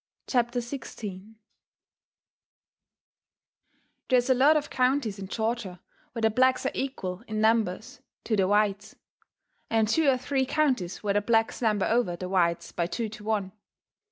CHAPTER XVI There's a lot of counties in Georgia where the blacks are equal in number to the whites, and two or three counties where the blacks number over the whites by two to one.